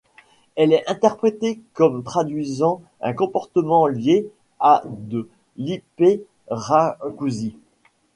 Elle est interprétée comme traduisant un comportement lié à de l’hyperacousie.